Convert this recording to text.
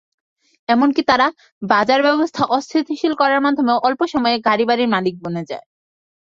এমনকি, তারা বাজারব্যবস্থা অস্থিতিশীল করার মাধ্যমে অল্প সময়ে গাড়ি-বাড়ির মালিক বনে যায়।